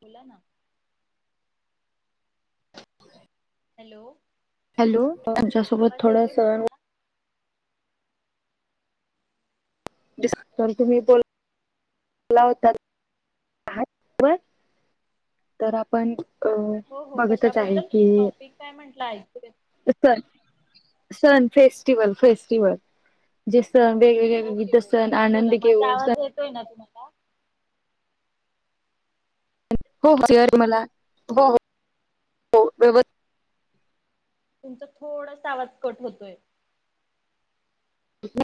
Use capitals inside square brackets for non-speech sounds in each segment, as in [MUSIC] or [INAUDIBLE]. बोला ना. Hello hello तुमच्यासोबत आवाज येतोय थोडंस माझा तुम्ही बोल चला होतात. आहावर तर आपण अ, हो हो बघतच आहे कशाबद्दल, की टॉपिक काय म्हंटलं ऐकु दे. सन फेस्टिवल फेस्टिवल सण वेगवेगळे ओके विविध सण आनंद घेऊन सण का [UNINTELLIGIBLE] तुमचा थोडासा आवाज कट होतोय.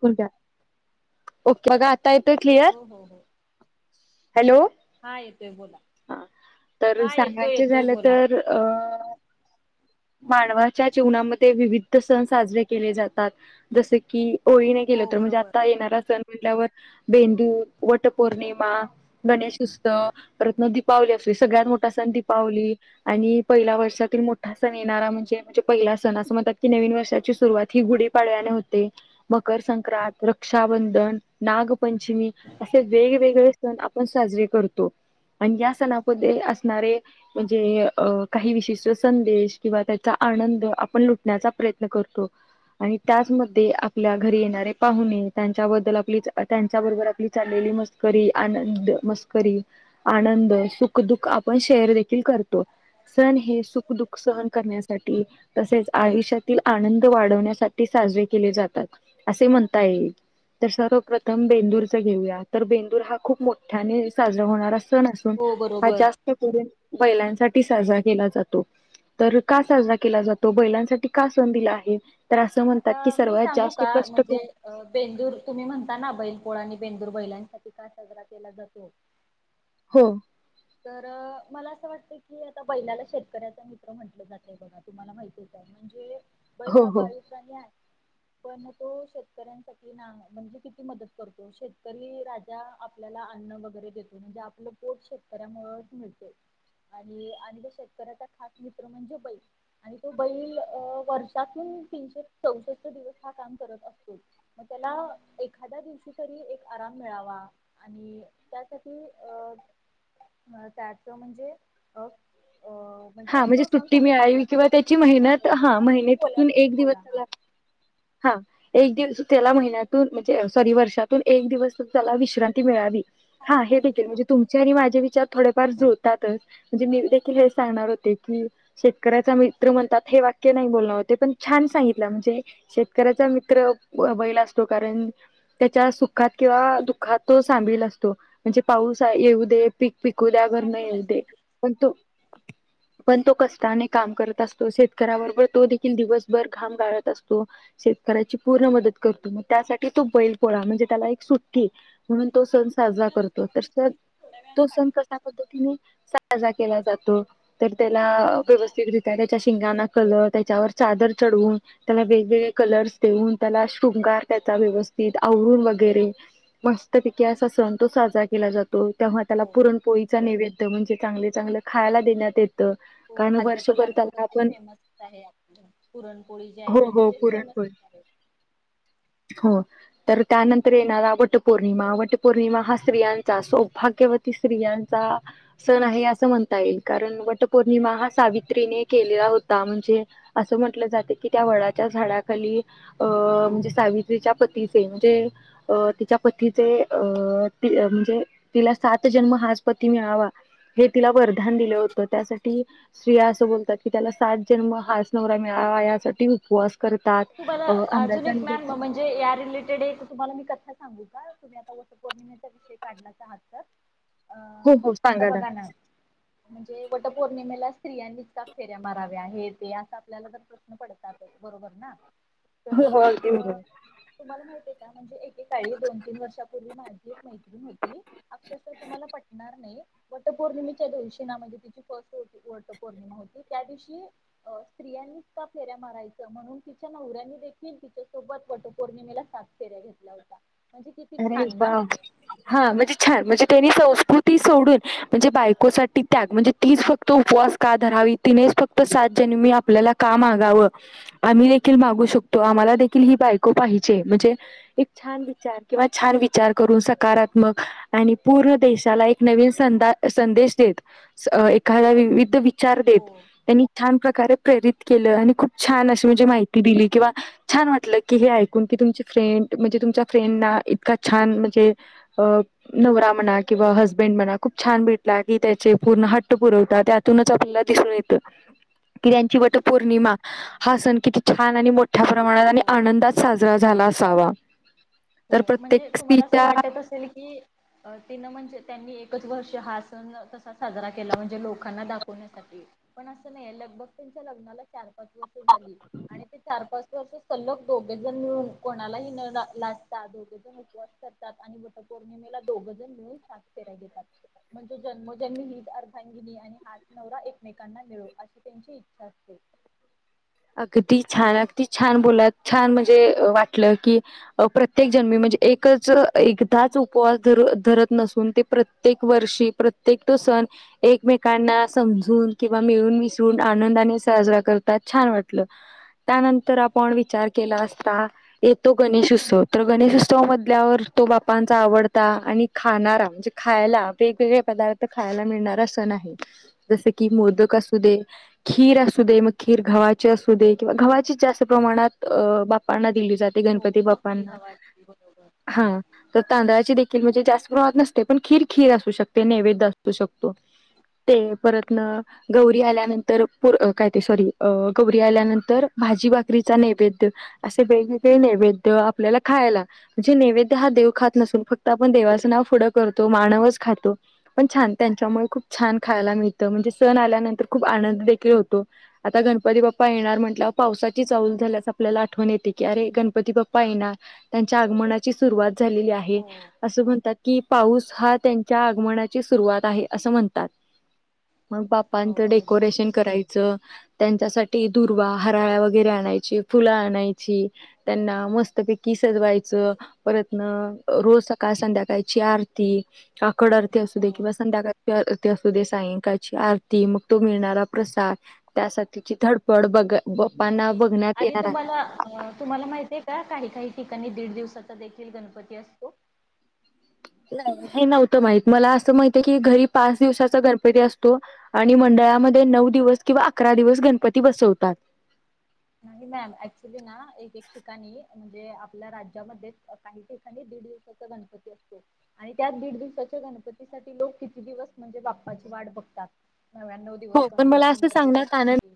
ओके बघा आता येतोय क्लिअर. हो हो हो हॅलो हा येतोय बोला हा तर हा येतोय सांगायच येतोय झालं बोला तर अ मानवाच्या जीवनामध्ये विविध सण साजरे केले जातात. जसे की ओळीने केेलं हो तर म्हणजे बरोबर आता येणारा सण म्हटल्यावर बेंदूर, वटपौर्णिमा, गणेशोत्सव परत दीपावली असते. सगळ्यात मोठा सण दीपावली. आणि पहिल्या वर्षातील मोठा सण येणारा म्हणजे म्हणजे पहिला सण असं म्हणतात की नवीन वर्षाची सुरुवात ही गुढीपाडव्याने होते. मकर संक्रांत रक्षाबंधन, नागपंचमी, असे वेगवेगळे सण आपण साजरे करतो. आणि या सणामध्ये असणारे म्हणजे अ काही विशिष्ट संदेश किंवा त्याचा आनंद आपण लुटण्याचा प्रयत्न करतो. आणि त्याचमध्ये आपल्या घरी येणारे पाहुणे. त्यांच्याबद्दल आपली त्यांच्याबरोबर आपली चाललेली मस्करी. आनंद मस्करी. आनंद, सुखदुःख आपण शेअर देखील करतो. सण हे सुखदुःख सहन करण्यासाठी तसेच आयुष्यातील आनंद वाढवण्यासाठी साजरे केले जातात. असे म्हणता येईल. तर सर्व प्रथम बेंदूरचा घेऊया. तर बेंदूर हा खूप मोठ्याने साजरा होणारा सण असून हो हा बरोबर जास्त करून बैलांसाठी साजरा केला जातो. तर का साजरा केला जातो. बैलांसाठी का सण दिला आहे. तर असं म्हणतात आता की मी सर्वात सांगू जास्त का? कष्ट कर म्हणजे बेंदूर तुम्ही म्हणता ना बैलपोळा आणि बेंदूर बेंदूर बैलांसाठी का साजरा केला जातो. हो. तर मला असं वाटत की आता बैलाला शेतकऱ्याचा मित्र म्हटलं जातय बघा. तुम्हाला माहितच आहे. म्हणजे [INAUDIBLE] बैल हा हो. पाळीव प्राणी आहे. पण तो शेतकऱ्यांसाठी ना म्हणजे किती मदत करतो. शेतकरी राजा आपल्याला अन्न वगैरे देतो. म्हणजे आपलं पोट शेतकऱ्यामुळे मिळते. आणि आणि तो शेतकऱ्याचा खास मित्र म्हणजे बैल. आणि तो बैल वर्षातून तीनशेचौसष्ठ दिवस हा काम करत असतो. म त्याला एखादया दिवशी तरी एक आराम मिळावा. आणि त्यासाठी अ अ त्यात म्हणजे अ अ [INAUDIBLE] हा म्हणजे तो सण सुट्टी साजरा केला मिळावी. किंवा जातो. त्याची मेहनत बरोबर हा तुम्ही बोला मेहनतीतून तुम्ही एक दिवस बोला हा. त्याला हा एक दिवस त्याला महिन्यातून म्हणजे सॉरी वर्षातून एक दिवस त्याला विश्रांती मिळावी. हा हे देखील म्हणजे तुमचे आणि माझे विचार थोडेफार जुळतातच. म्हणजे मी देखील हेच सांगणार होते की शेतकऱ्याचा मित्र म्हणतात. हे वाक्य नाही बोलण होते. पण छान सांगितलं म्हणजे शेतकऱ्याचा मित्र बैल असतो. कारण त्याच्या सुखात किंवा दुःखात तो सामील असतो. म्हणजे पाऊस येऊ दे पीक पिकू द्या आगर न येऊ दे. पण तो [INAUDIBLE] पण तो कष्टाने काम करत असतो. शेतकऱ्याबरोबर तो देखील दिवसभर घाम गाळत असतो. शेतकऱ्याची पूर्ण मदत करतो. म त्यासाठी तो बैल पोळा म्हणजे त्याला एक सुट्टी. म्हणून तेच तो सण मी साजरा तुम्हाला करतो. तर डॉक्युमेंटची सण लिस्ट थोड्या वेळाने तो सण कशा पाठवते पद्धतीने साजरा केला जातो. तर त्याला एकच एकच व्यवस्थितरित्या त्याच्या शिंगाना कलर त्याच्यावर चादर चढवून त्याला वेगवेगळे कलर्स देऊन त्याला शृंगार त्याचा व्यवस्थित आवरून वगैरे मस्त पैकी असा सण तो साजरा केला जातो. तेव्हा त्याला हो पुरणपोळीचा नैवेद्य म्हणजे चांगले चांगले खायला देण्यात येते हो खाद्य पदार्थ तर ते फेमसच आहे पुरणपोळी जे आहे ते म्हणजे फेमस होय आहे. तर त्यानंतर येणार वटपौर्णिमा, वटपौर्णिमा हा स्त्रियांचा सौभाग्यवती स्त्रिया स्त्रियांचा सण आहे असं म्हणत आहे कारण वटपौर्णिमा हा सावित्रीने केलेला होता. म्हणजे असं म्हंटलं जात. की त्या वडाच्या झाडाखाली अ म्हणजे सावित्रीच्या पतीचे म्हणजे तिच्या पतीचे पतीचे म्हणजे तिला सात जन्म हाच पती मिळावा तिला वरदान वरदान दिलं होत. त्यासाठी स्त्रिया असं बोलतात. की त्याला सात जन्म हाच नवरा मिळावा यासाठी उपवास करतात तुम्हाला अजून अंब्याचा एक मॅम निवेद म्हणजे या रिलेटेड एक तुम्हाला मी कथा सांगू का तुम्ही आता वटपौर्णिमेचा विषय काढलाच आहात तर अ हो हो आता सांगा ना बघा म्हणजे वटपौर्णिमेला स्त्रियांच का फेऱ्या माराव्या हे ते आस आपल्याला तर प्रश्न पडतातच बरोबर ना तर हो हो मग अगदी बरोबर. तुम्हाला माहित आहे का म्हणजे एकेकाळी दोन तीन वर्षापूर्वी माझी एक मैत्रीण होती आक्षरशा तुम्हाला पटणार नाही. वटपौर्णिमेच्या दिवशी ना म्हणजे. तिची फर्स्ट ओटी वटपौर्णिमा होती त्या दिवशी अ स्त्रियांच का फेऱ्या मारायचं म्हणून तिच्या नवऱ्यानी देखील तिच्यासोबत वटपौर्णिमेला सात फेऱ्या घेतल्या होत अरे वा हा म्हणजे छान म्हणजे त्यानी संस्कृती सोडून म्हणजे बायकोसाठी त्याग म्हणजे तीच फक्त उपवास का धरावी तिने फक्त सात जन्मी आपल्याला का मागाव आम्ही द देखील मागू शकतो आम्हाला देखील ही बायको म्हणजे छान विचार किंवा छान विचार करून सकारात्मक आणि पूर्ण देशाला एक नवीन संदा संदेश द एखा विविध विचार हो देत त्यां छान प्रकारे प्रेरित केलं आणि खूप छान अशी म्हणजे माहिती दिली किंवा छान वाटलं की हे ऐकून तुमची फ्रेंड म्हणजे तुमच्या फ्रेंडना इतका छान म्हणजे अ नवरा म्हणा किंवा हसबेंड म्हणा खूप छान भेटला की त्या ते पूर्ण हट्ट पुरवतात त्यातूनच आपल्याला दिसून येतं की त्यांची वट पौर्णिमा हा सण किती छान आणि मोठ मोठ्या प्रमाणात आणि हो आनंदात साजरा झाला असावा हो तर म्हणजे प्रत्येक तुम्हाला असं स्त्रीच्या वाटत असेल की तिनं म्हणजे त्यांनी एकच वर्ष हा सण त साजरा केला म्हणजे लोकांना दाखवण्यासाठी पण अस नाही ल त्यांच्या ल च पाच वर्ष झाली आणि ते चार पाच वर्ष सलग दोघे जण मिळून कोणालाही न ला पस करात वटपौर्णिमेला दोघ जण मिळून सा फे घात म्हण जन्मोजन्मी हीित अर्भांगिनी आणि हात नवरा एकमेकांना मिळो अशी त्यांची इच्छा असते [INAUDIBLE] अगदी छान अगदी छान बोलात छान म्हणजे वाटलं की प्रत्येक जन्मी म्ह एकच एकदाच उपवास करत नसून ती प्रत्येक वर्षी प्रत्ये सण एकमेकांना समजून किंवा मिळून विसरून आनंदाने साजरा करतात छान वाटत त्यानंतर आपण विचार केला असता येतो गणेश उत्सव तर गणेशोत्स मधल्यावर तो बापांचा आवडता आणि खाणारा म्हणजे खायला वेगवेगळे पदार्थ खायला येणार असं नाह जसं की मोदक असू दे खीर असू दे म खीरखा असू देकिंवा घव्हा जास्त प्रमाणात बापांना दिली त्या ती हो गणपती खपली बाप्पांना हवा असते बरोबर. हा तर तांदळाची देखी म्हणजे जास्त प्रहात नसते पण खीर खीर असू शकते नैवेद्य असू शकतो ते परतन गौरी आल्यानंतर काय ते सॉरी कोबरी आल्यानंतर भाजी बाकरीचा नैवेद्य असे वेगवेगळे नैवेद्य आपल्याला खायला म्हणजे नैवेद्य हा देव खात नसून फक्त आपण देवाचं नाव पुुढं करतो मानवच खातो पण छान त्यांच्यामुळे खूप छान खायला मिळत म्हणजे सण आल्यानंतर खूप आनंद देखील होतो आता ग गणपती बाप्पा येणार म्हट पावसाची ऊल झाल्यास आपल्याला आठवण येते की अे गणपती बाप्पा येणार च्या आगमनाची सुरुवात झालेली आहे हो अस म्हणतात कि पाऊस हा त्यांच्या आगमनाची सुरुवात आहे असं म्हणतात मग हो बाप्पांचं बरोबर. डेकोरेशन करायचं त्यांच त्यासाठी दुर्वा हराळ्या वगैरे आणायची फुलं आणायची त्यांना मस्तपैकी स परत रोज सकाळ संध्याकाची आरती कडरते असू दे हो किंवा संध्याकाळ ते असू दे सायंकाळची आरती मग तो मिळणारा प्रसाद त्यासाठी तिची धडपड बघ बाप्पांना आणि बघण्यात आधी येणार तुम्हाला अ तुम्हाला माहित आहे का काणी कााही ठिकाणी दीड दिवसाचा देखील गणपती असतो नाही हे नव्हतं माहित मला असं माहित आहे की घरी पाच दिवसाचा गणपती असतो आणि मंडळा मध्ये नऊ दिवस किंवा अकरा दिवस गणपती बसवतात नाही मॅम ऍक्च्युली ना एक एक ठिकाणी म्हणजे आपल्या राज्यामध्ये काही ठिकाणी दीड गपती असत आणि त्या दीड दिवसाच्या गणपती सा लोक किती दिवस म्हणजे बाप्पाची वा बघतात नव्या्णव दिवस हो. पण जे मला असं शंभर दिवस सांगण्यात आनंद जाते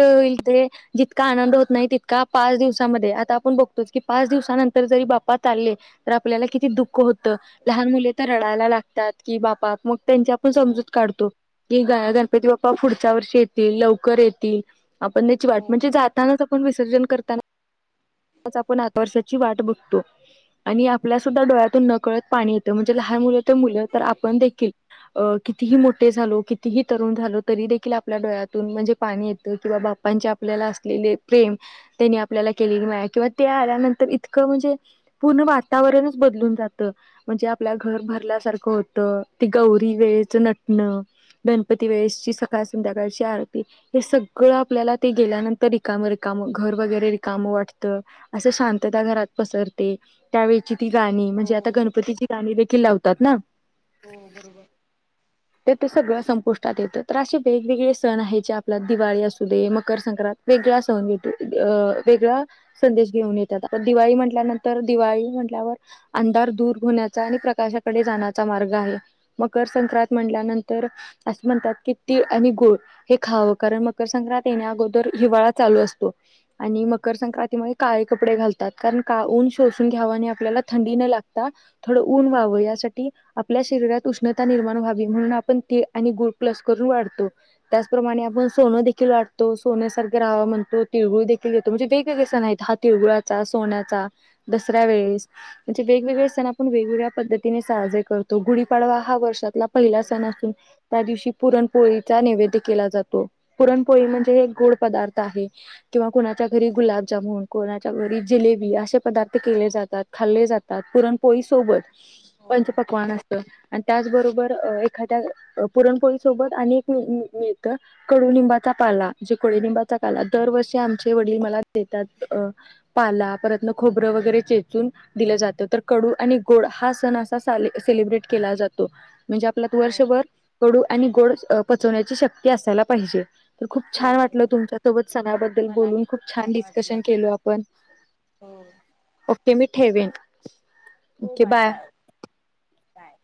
होईल ते जितका आनंद होत नाही तितका पाच दिवसामध्ये आता आपण बघतो की पाच दिवसां नर जरी बाप् लले तर आपल्याला किती दुःख होत लहान मुले तर रडायला लागतात की बापा मग त्यांची आपण हो समजूत काढतो कि ग गणपती बाप्पा पुढच्या वर्षी येतील लवकर येतील आपण त्याची वाट हो म्हणजे बरोबर जातानाच आपण विसर्जन करताना आपण आठ वर्षांची वाट बघतो आणि आपल्यासद्धा डोळ्यातून नकळत पाणी येतं म्हणजे लहान मुलं तर मुलं तर आपण देखील कितीही मोठे झालो कितीही तरुण झालो तरी देखील आपल्या डोळ्यातून म्हणजे पाणी येतं किंवा बापांच्या आपल्या असलेले प्रेम त्यांनी आपल्याला केले किंवा ते आल्यानंतर इतकं म्हणजे पूर्ण वातावरणच बदलून जातं म्हणजे आपल्या घर भरल्यासारखं होत ते गौरी वेळेचं नटणं गणपती वेळेसची सकाळ संध्याकाळची आरती हे सगळं आपल्याला ते गेल्यानंतर रिकाम रिकाम घर वगैरे काम वात असं शांतता घरात पसरते त्यावेची ती गाणी हो म्हणजे आता गणपतीची गाणी कि लावतात ना हो बरोबर तर ते सगळं संपुष्टात येतं तर असे वेगवेगळे सण आहेत जे आपल्या दिवाळी असू दे मकर संक्रांत वेगळा सणेत अ वेगळा संदेश घेऊन येतात आता दिवाळी म्हटल्यानंतर दिवाळी अंधार दूर होण्या आणि प्रकाशाकडे जाण्याचा मार्ग आहे म संक्रां म्हटल्यानंतर असं म्हणतात की तीळ आणि गुळ हे खावं कारण मकर संक्रांतीने अगोदर हिवाळा चालू असतो आणि म संक्रांतीमध्ये काळे कपडे घालतात कारण का ऊन शोून घ्या आपल्याला थंडी न लाग थोडऊन व्हा यासाठी आपल्या शरीात उष्ण निर्माण व्हा म्हणून आपण तीळ आणि गूळ प्लस करून वाटतो त्याचप्रमाणे सोन देखील वाटतो सोन्या म्हणतो तिळगुळ देखील येतो म्हणजे वेगवेगळे सण आहेत हा तिळगुळाचा सोन्याचा दसऱ्या वेळे म्हणे वेगवेगळे सण आपण वेगगळ्या पद्धतीने साजरे करतो गुढीपाडवा हा वर्षात हो पहिला सण असून त्या दिवशी पुरणपोळीचा नैवेद केला जातो पुरणपोळी म्हणजे हे एक गोड पदार्थ आहे किंवा कोणाच्या घरी गुलाबजामन कोणाच्या घरी जिलेबी असे पदार्थ केले जातात खाल्ले जातात पुरणपोळी सोबत हो पंच पकवान असत आणि त्याचबरोबर एखा्या पुरणपोळी सोबत मिळत कडुिंबाचा पालाे बाला दरवर्षी आमचे वडील मला देतात पाला खोबर वगैरे चेचून दिलं जात तर कडू आणि गोड हा सण असा सेलिब्रेट केला जातो म्हणजे आपल्यात हो वर्षभर कडू आणि गोड पचवण्याची शक्ती असायला पाहिजे तर खूप हो छान वाटलं बरोबर तुमच्या सोबत सगळबद्दल बोलून खूप छान डिस्कशन केल आपण हो ओके मी ठेवेन हो बाय बाय बाय